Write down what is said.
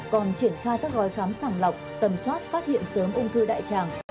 còn triển khai các gói khám sàng lọc tầm soát phát hiện sớm ung thư đại tràng